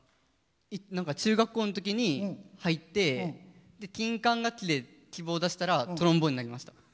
何か中学校の時に入って金管楽器で希望出したらトロンボーンになりました。